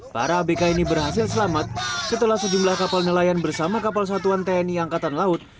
para abk ini berhasil selamat setelah sejumlah kapal nelayan bersama kapal satuan tni angkatan laut